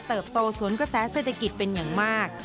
โตสวนกระแสเศรษฐกิจเป็นอย่างมาก